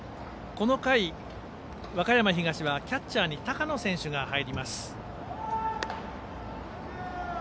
この回、和歌山東はキャッチャーに高野選手が入ります。